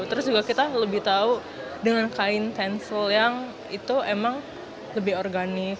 terus juga kita lebih tahu dengan kain tensel yang itu emang lebih organik